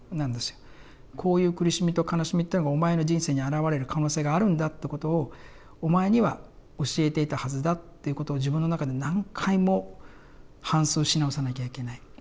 こういう苦しみと悲しみってのがお前の人生に現れる可能性があるんだってことをお前には教えていたはずだっていうことを自分の中で何回も反芻し直さなきゃいけない。